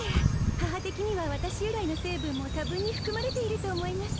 母的には私由来の成分も多分に含まれていると思います